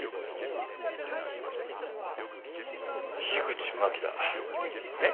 樋口真紀だ。えっ？